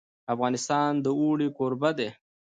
افغانستان د اوړي کوربه دی.